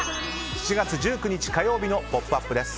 ７月１９日火曜日の「ポップＵＰ！」です。